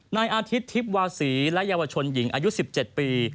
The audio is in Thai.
นายอาทิตย์ทิพย์วาศีและเยาวชนหญิงอายุ๑๗ปี